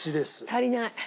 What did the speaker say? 足りない。